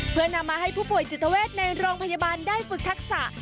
เพื่อนำมาให้ผู้ป่วยจิตเวทในโรงพยาบาลได้ฝึกทักษะ